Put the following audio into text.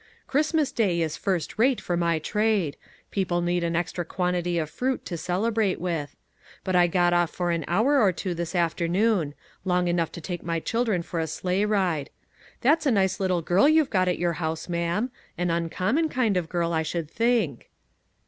" Christmas Day is first rate for my trade ; peo ple need an extra quantity of fruit to celebrate 49 MAG AND MARGARET with. But I got off for an hour or two this af ternoon; long enough to take my children for a sleigh ride. That's a nice little girl you've got at your house, ma'am; an uncommon kind of girl, I should think."